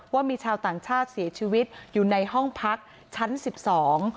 ว่ามีชาวต่างชาติเสียชีวิตอยู่ในห้องพักชั้นสิบสอง